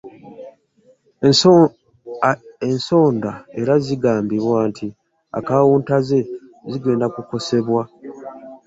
Ensonda era zigamba nti akawunta ze zigenda kukosebwa.